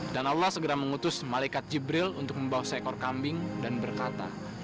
dan allah segera mengutus malikat jibril untuk membawa seekor kambing dan berkata